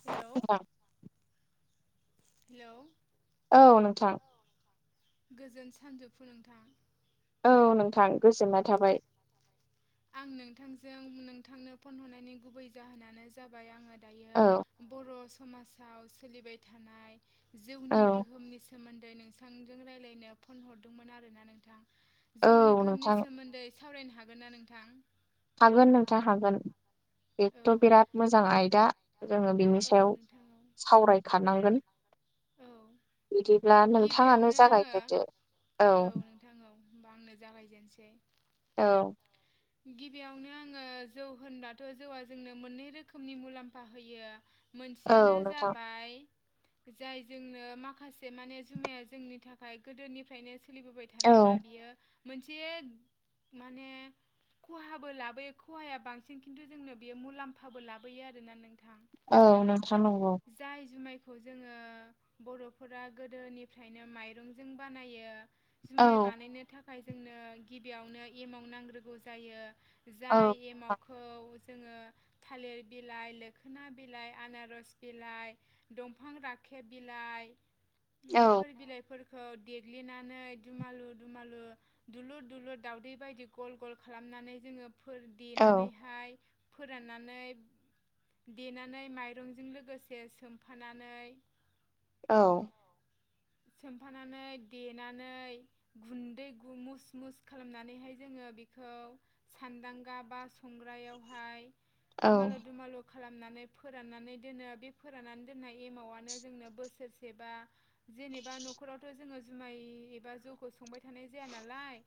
Hello hello औ नोंथां। गोजोन सानजोफु नोंथां। औ नोंथां गोजोननाय थाबाय। आं नोंथांजों नोंथांनो फन हरनायनि गुबै जाहोनानो जाबाय आङो दायो बर' समाजाव सोलिबाय थानाय जिउनि गोहोमनि सोमोन्दै नोंथांजों रायज्लायनो फन हरदोंमोन आरोना नोंथां। जौनि गोहोमनि सोमोन्दै सावरायनो हागोन ना नोंथां? हागोन नोंथाङ हागोन बेथ' बिराद मोजां आयदा जोङो बिनि सायाव सावरायखानांगोन। बिदिब्ला नोंथाङानो जागायग्रोदो औ होमबा आंनो जागायजेनसै। औ। गिबियावनो आङो जौ होनबथ' जौआ जोंनो मोननै रोखोमनि मुलाम्फा होयो। मोनसेयानो जाबाय जाय जोंनो माखासे माने जुमाया जोंनि थाखाय गोदोनिफ्रायनो सोलिबोबाय थानाय बा बियो मोनसे माने खहाबो लाबोयो खहाया बांसिन खिन्थु जोंनो बेयो मुलाम्फाबो लाबोयो आरोना नोंथाङा। औ नोंथां नांगौ खौ जोङो बर'फोरा गोदोनिफ्रायनो माइरंजों बानायो। जुमाय बानायनो थाखाय जोंनो गिबियावनो एमावन्ट नांग्रोगौ जायो। जाय एमावखौ जोङो थालिर बिलाइ लोखोना बिलाइ आनारस बिलाइ दंफां राखेब बिलाइ बेफोर बिलाइफोर देग्लिनानै दुमालु दुमालु दुलुर दुलुर दावदै बायदि गल गल खालाम नानै जोङो देनानैहाय फोराननानै देनानै माइरंजों लोगोसे सोमफानानै औ सोमफानानै देनानै गुन्दै मुस मुस खालामनानैहाय जोङो खो सानदांगा बा संग्रायावहाय दुमालु दुमालु खालामनानै फोराननानै दोनो बे फोराननानै दोननाय एमावनो जोंनो बोसोरसे बा जेनेबा न'खरावथ' जोङो जुमाय एबा जौखौ संबाय थानाय जाया नालाय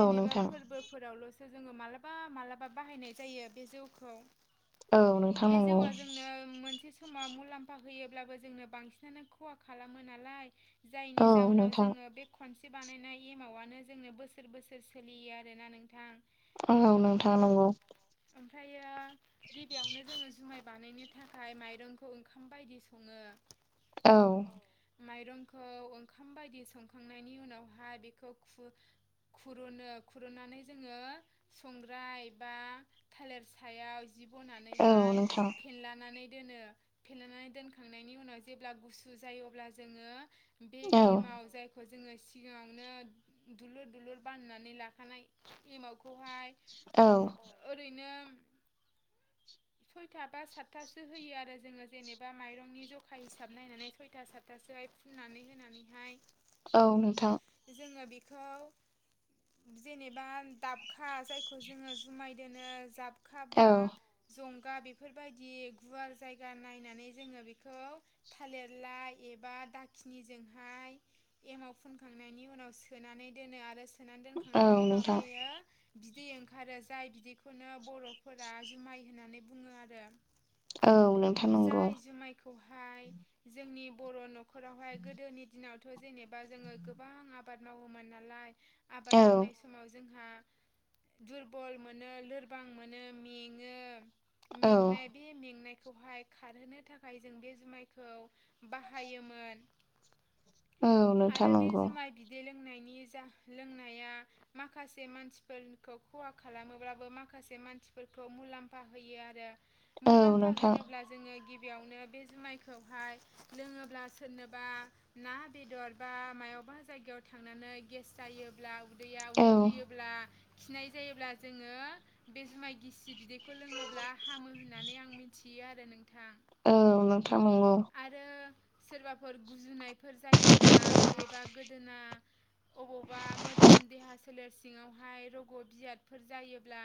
जेनेबा फोरबोफोरावल'सो जोङो मालाबा मालाबा बाहायनाय जायो बे जौखौ। औ नोंथां नंगौ समाव मुलाम्फा होयोब्लाबो जोंनो बांसिनानो खहा खालामो नालाय। जायनि जााहनाव जोङो बे खनसे बानायनाय एमावनो जोंनो बोसोर बोसोर सोलियो आरोना नोंथां। औ नोंथाङा नंगौ ओमफ्रायो गिबियावनो जोङो जुमाय बानायनो थाखाय माइरंखौ ओंखाम बायदि सङो। औ माइरंखौ ओंखाम बायदि संखांनायनि उनावहाय बेखौ खु खुरुनो खुरुननानै जोङो संग्राय बा थालिर सायाव जि बनानैहाय फेनलानानै दोनो फेनानै दोनखांनायनि उनाव जेब्ला गुसु जायो अब्ला जोङो बे एमाव जायखौ जोङो सिगाङावनो दुलुर दुलुर बाननानै लाखानाय एमावखौहाय ओरैनो सयथा बा सातथासो होयो आरो जोङो जेनेबा माइरंनि जखा हिसाब नायनानै सयथा सात थासोहाय फुननानै होनानैहाय औ नोंथां जोङो बेखौ जेनेबा दाबखा जायखौ जोङो जुमाय दोनो जाब अखाबा जं गा बेफोरबायदि गुवार जायगा नायनानै जोङो बेखौ थालिरलाय एबा दाखिनिजोंहाय एमाव फुनखांनायनि उनाव सोनानै दोनो आरो सोनानै दोनखांनायनि उनाव बेयो बिदै ओंखारो जाय बिदैखौनो बर' गा जुमाय होननानै बुङो आरो। औ नोंथां नंगौ हाय जोंनि न'खरावहाय गोदोनि दिनावथ' जेनेबा जोङो गोबां आबाद मावोमोन नालाय आबाद मावनाय समाव जोंहा दुरबल मोनो लोरबां मोनो मेङो मेंनाय बे मेंनायखौहाय खारहोनो थाखाय जों बे जुमायखौ बाहायोमोन। औ नोंथां नंगौ। लोंनायनि जा लोंनाया माखासे मानसिफोरखौ खहा खालामोब्लाबो माखासे मानसिफोरखौ मुलाम्फा होयो आरो मुलाम्फा होनोब्ला जोङो गिबियावनो बे जुमायखौहाय लोङोब्ला सोरनोबा ना बेदर बा मायावबा जायगायाव थांनानै गेस जायोब्ला दैया उदै दुयोब्ला खिनाय जायोब्ला जोङो बे समाय गिसि बिदैखौ लोङोब्ला हामो होननानै आं मिथियो आरो नोंथां। औ नोंथां नंगौ। सोरबाफोर गुजुनायफोर जायोब्ला बेबा गोदोना। अबावबा मोदोम देहा सोलेर सिङावहाय रग' बियादफोर जायोब्ला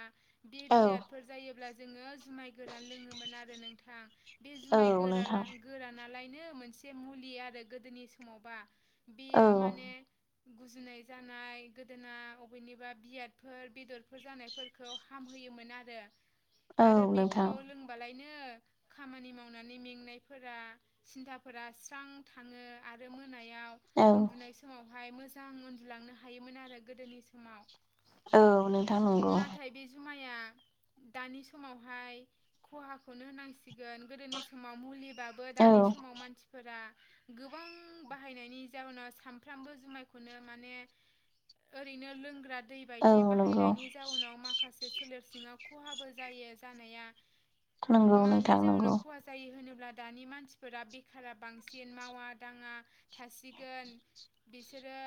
बे बियादफोर जायोब्ला जोङो जुमाय गोरान लोङोमोन आरो नोंथां बे जुमाय गोरान लान गोरान लायनो मोनसे मुलि आरो गोदोनि समावबा बेयो माने गुजुनाय जानाय गोदोना बबेनिबा बियादफोर बेदरफोर जानायफोरखौ हामहै होयोमोन आरो आरो बेखौ लोंबालायनो खामानि मावनानै मेंनायफोरा सिन्थाफोरा स्रां थाङो आरो मोनायाव उन्दुनाय समाव बहाय मोजां उन्दुलांनो हायोमोन आरो गोदोनि समाव औ नोंथां नंगौ। जुमाया दानि समावहाय खहाखौनो होनांसि गोन गोदोनि समाव मुलिबाबो दानि समाव मानसिफोर गोबां बाहायनायनि जाउनाव सानफ्रामबो जुमायखौनो माने ओरैनो लोंग्रा दै बायदि बाहायनायनि जाउनाव माखासे सोलेर सिङाव खहाबो जायो जानाया। नोंगौ नोंथां नंगौ। अब्ला दानि मानसिफोरा बेखारा बांसिन मावा दाङा थासिगोन बिसोरो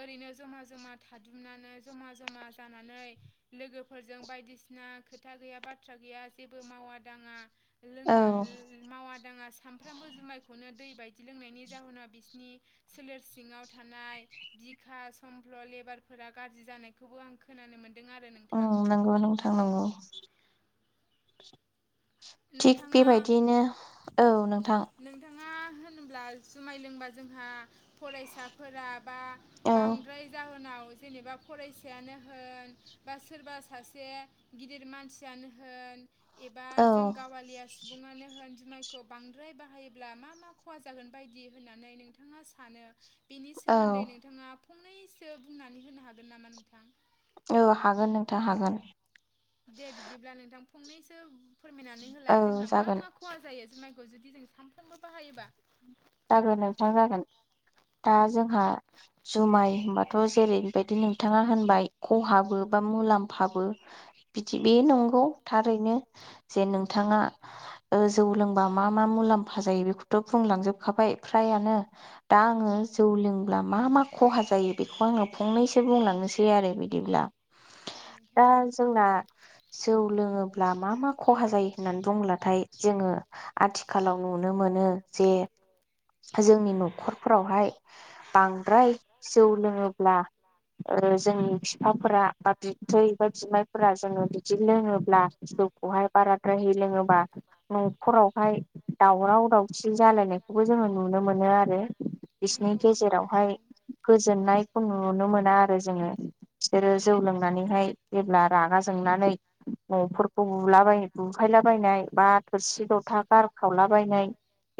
ओरैनो जमा जमा थाथुमनानै जमा जमा जानानै लोगोफोरजों बायदिसि खोथा गैया बाथ्रा गैया जेबो मावा दाङा लोंनानै मावा-दाङा सानफ्रामबो जुमायखौनो दै बायदि लोंनायनि जाहोनाव बिसिनि सोलेर सिङाव थानाय बि बिखा समफ्ल' लेबारफोरा गाज्रि जानायखौबो आं खोनानो मोन आं नंगौ नोंथां नंगौ। थिग बेबायदियैनो औ नोंथां। मा होनोब्ला जुमाय लोंबा जोंहा फरायसाफोरा बा बांद्राय जाहोनाव जेनेबा फरायसायानो होन बा सोरबा सासे गिदिर मानसियानो होन एबा जों बालिया सुबुङानो होन जुमायखौ बांद्राय बाहायोब्ला मा मा खहा जागोन बायदि होननानै नोंथाङा मा सानो बेनि सोमोन्दै नोंथाङा फंनैसो बुंनानै होनो हागोन नामा नोंथां? औ हागोन नोंथां हागोन। दे बिदिब्ला नोंथां फंनैसो फोरमायनानै होलाय जोंहा मा मा खहा जायो जुमाइ जुदि जों सानफ्रोमबो बाहायोबा जागोन नोंथां जागोन। दा जोंहा जुमाय होनबाथ' जेरैबायदि नोंथाङा होनबाय खहाबो बा मुलाम्फाबो बिदि बे नंगौ थारैनो जे नोंथाङा जौ लोंबा मा मा मुलाम फ जायो बेखौथ' बुंलांजोबखाबाय फ्रायानो दा आङो जौ लिंब्ला मा मा खहा जायो बेखौ आङो फंनैसो बुंलांनोसै आरो। बिदिब्ला। दा जोंना जौ लोङोब्ला मा मा खहा जायो होननानै बुंब्लाथाय जोङो आथिखालाव नुनो मोनो जे जोंनि न'खरफोरावहाय बांद्राय जौ लोङोब्ला ओ जोंनि बिफाफोरा बा बिथै बा बिमायफोरा जोङो बिदि लोङोब्ला जौखौहाय बाराद्रायहै लोङोबा न'खरावहाय दावराव दावसि जालायनाय ओ नुनो मोनो आरो। बिसिनि गेजेरावहाय गोजोननायखौ नुनो मोना आरो जोङो। बिसोरो जौ लोंनानैहाय जेब्ला रागा जोंनानै न'फोरखौ बु बुलाबाय बुफायलाबायनाय बा थोरसि लथा गारख्रावला बायनाय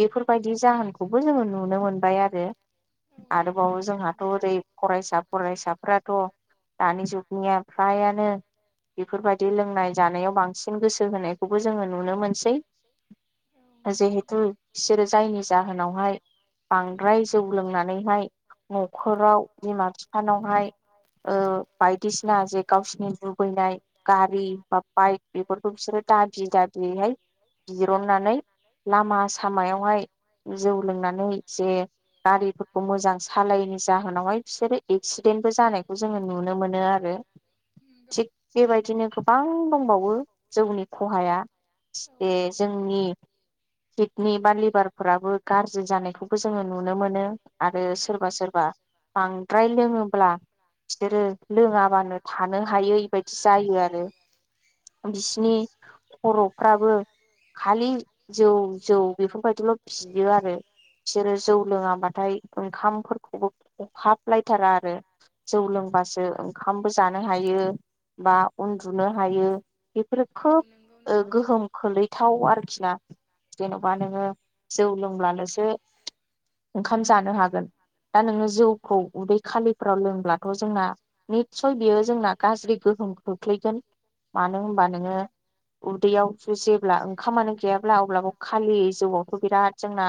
बेफोर नि जाहोनखौबो जोङो नुनो मोनबाय आरो। आरोबाव जोंहाथ' ओरै फरायसा फरायसाफ्राथ' दानि जुगनिया फ्रायानो बिफोरबायदि लोंनाय जानायाव बांसिन गोस खौबो जोङो नुनो मोनसै। जिहेथु बिसोरो जायनि जाहोनावहाय बांद्राय जौ लोंनानैहाय न'खराव बिमा फि फानावहाय ओ बायदिसिना जे गावसिनि लुुबैनाय गारि बा बाइक [unintelligible] बेफोरखौ दाबि दाबियैहाय बिरननानै लामा सामायावहाय जौ लोंनानै जे गारिफोरखौ मोजां सालायैनि जाहोनावहाय बिसोरो एक्सिडेन्टबो जानायखौ जोङो नुनो मोनो आरो। ओ थिग बेबायदिनो गोबां दंबावो। जौनि खहाया जे जोंनि किडनि फोराबो गारज्रि जानायखौबो जोङो नुनो मोनो आरो सोरबा सोरबा बांद्राय लोङोब्ला फिसोरो लोङाबानो थानो हायै बायदि जायो आरो। बिसिनि खर'फ्राबो खालि जौ जौ बेफोरबायदिल' बियो आरो। फिसोरो जौ लोङाबाथाय ओंखामफोरखौबो खहाबलायथारा आरो जौ लों बासो ओंखामबो जानो हायो। बा उन्दुनो हायो बेफोरो खोब ओ गोहोम खोलैथाव आरोखि ना। जेन'बा नोङो जौ लोंब्लाल'सो ओंखाम जानो हागोन। दा नोङो जौखौ उदै खालिफोराव लोंब्लाथ' जोंना निस्सय बियो जोंना गाज्रि गो गोहोम खोख्लैगोन मानो होमबा नोङो उदैयाव जेब्ला ओंखामानो गैयाब्ला अब्लाबो खालि जौआवथ' बिराद आद जोंना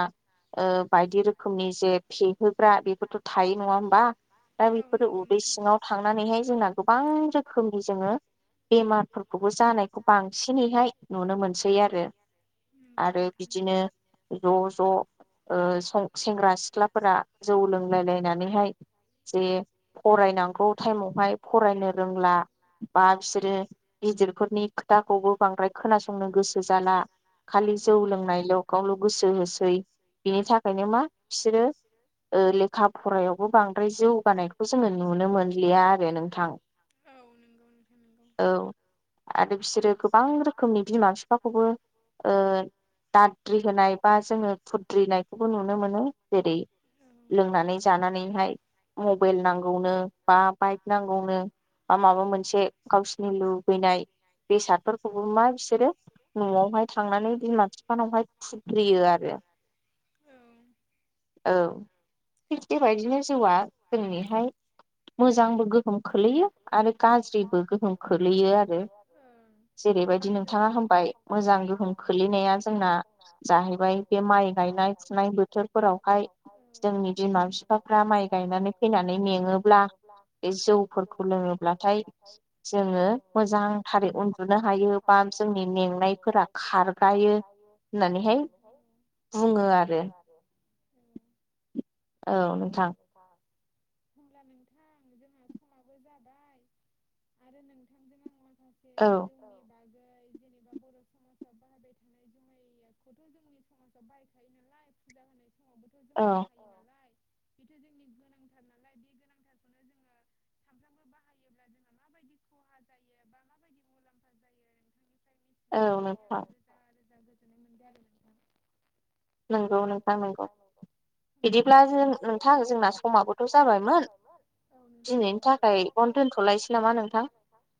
ओ बायदि रोखोमनि जे फेहोग्रा बेफोरथ' थायो। नङा होमबा? दा बेफोरो उदै सिङाव थांनानैहाय जोंना गोबां रोखोमनि जोङो बेमारफोरखौबो जानायखौ बांसिनैहाय नुनो मोनसै आरो। आरो बिदिनो ब' ज' ओ सं सेंग्रा सिख्लाफोरा जौ लोंलाय लायनानैहाय जे फरायनांगौ टाइमावहाय फरायनो रोंला। बा बिसोरो गिदिरफोरनि खोथाखौबो बांद्राय खोनासंनो गोसो जाला। खालि जौ लोंनायल' गावल' गोसो होसै बिनि थाखायनो मा फिसोरो [inaudible] ओ लेखा फरायायावबो बांद्राय जौगानायखौ जोङो नुनो मोनलिया आरो नोंथां। औ आरो बिसोरो गोबां रोखोमनि बिमा फिफाखौबो ओ दाद द्रि होनाय बा जोङो खुद्रिनायखौबो नुनो मोनो। जेरै लोंनानै जानानैहाय मबेल नांगौनो बा बाइक नांगौनो बा माबा मोनसे गावसिनि लुगैनाय बेसादफोरखौबो मा बिसोरो न'आवहाय थांनानै बिमा फिफानावहाय खुद्रि फैयो आरो। औ थिग बेबायदिनो जौआ जोंनिहाय मोजांबो गो होम खोलैयो आरो गाज्रिबो गोहोम खोलैयो आरो जेरैबायदि नोंथाङा होम बाय मोजां गोहोम खोलैनाया जोंना जाहैबाय बे माइ गायनाय फुनाय बोथोरफोराव हाय जोंनि बिमा बिफाफ्रा माइ गायनानै फैनानै मोङोब्ला बे जौ फोरखौ लोङोब्लाथाय जोङो मोजांथारै उन्दुनो हायो बा जोंनि मेंनायफोरा खार होननानैहाय बुङो आरो औ नोंथां होनब्ला नोंथां जोंना समाबो जाबाय आरो नोंथांजों आं माखासे जौनि बागै गै जेनबा बर' समाजाव बाहायबाय थानाय जुमखौथ' जोंनि समाजाव बाहायखायो नालाय फुजा होनाय औ बेथ' जोंनि गोनांथार नालाय बे गोनांथारखौनो जोङो सामफ्रामबो बाहायोब्ला जोंहा माबायदि खहा जायो बा माबायदि मुलाम्फा जायो नोंथांनि औ नोथां गोजोननाय मोनबाय आरो नोंथां [unintelligible] नंगौ नोंथां नंगौ बिदिब्ला जों नोंथां जोंना समाबोथ' जाबायमोन दिनैनि थाखाय अनो दोन्थ'लायसै नामा नोंथां?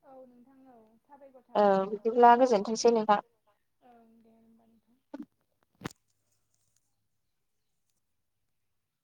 औ नोंथां औ साबाखर थाबाय नोंथां ओं दे होमबा नों [inaudible]